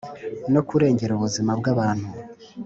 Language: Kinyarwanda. no kurengera ubuzima bw’abantu.